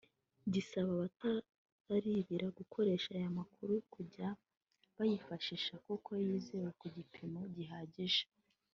gisaba abataribira gukoresha aya amakuru kujya bayifashisha kuko yizewe ku gipimo gihagije